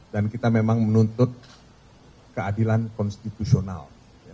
dan kita memang menuntut keadilan konstitusional